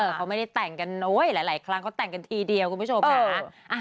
เขาไม่ได้แต่งกันโอ้ยหลายครั้งเขาแต่งกันทีเดียวคุณผู้ชมนะคะ